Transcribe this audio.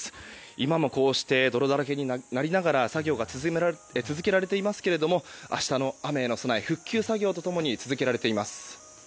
今もこうして泥だらけになりながら、作業が続けられていますけれども明日の雨への備えが復旧作業と共に続けられています。